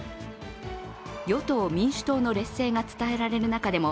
与党・民主党の劣勢が伝えられる中でも、